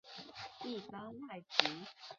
一般外族。